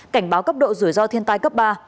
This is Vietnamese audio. cảnh báo cấp độ rủi ro thiên tai cấp ba